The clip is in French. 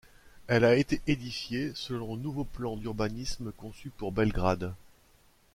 Elle a été édifiée selon le nouveau plan d'urbanisme conçu pour Belgrade.